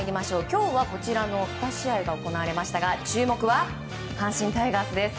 今日は、こちらの２試合が行われましたが注目は、阪神タイガースです。